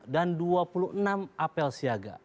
dan dua puluh enam apel siaga